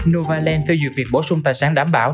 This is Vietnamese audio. novaland phê duyệt việc bổ sung tài sản đảm bảo